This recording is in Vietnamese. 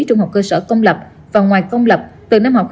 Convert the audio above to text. trung học cơ sở công lập và ngoài công lập từ năm học hai nghìn hai mươi hai